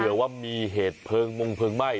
ว่ามีเหตุเพลิงมงเพลิงไหม้